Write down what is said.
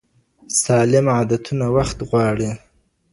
سالم عادتونه وخت غواړي.